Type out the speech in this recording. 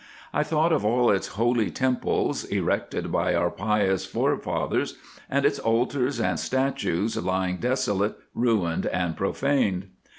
I thought of all its holy temples, erected by our pious forefathers, and its altars and statues lying desolate, ruined and profaned.